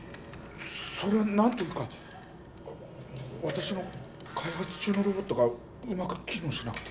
それはなんというかわたしの開発中のロボットがうまく機能しなくて。